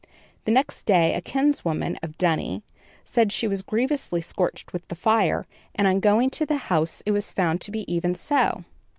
The next day a kinswoman of Dunny said she was grievously scorched with the fire, and on going to the house it was found to be even so.